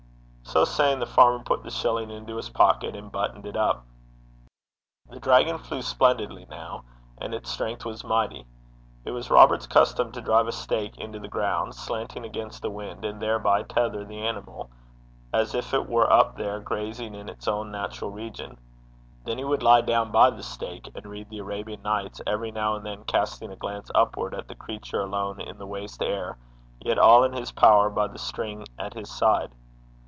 So saying, the farmer put the shilling into his pocket, and buttoned it up. The dragon flew splendidly now, and its strength was mighty. It was Robert's custom to drive a stake in the ground, slanting against the wind, and thereby tether the animal, as if it were up there grazing in its own natural region. Then he would lie down by the stake and read The Arabian Nights, every now and then casting a glance upward at the creature alone in the waste air, yet all in his power by the string at his side.